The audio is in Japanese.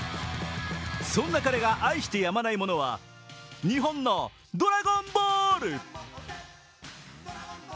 そんな彼が愛してやまないものは日本の「ドラゴンボール」。